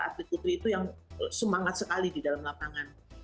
atlet putri itu yang semangat sekali di dalam lapangan